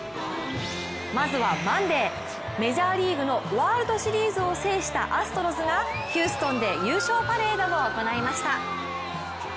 まずはマンデー、メジャーリーグのワールドシリーズを制したアストロズがヒューストンで、優勝パレードを行いました。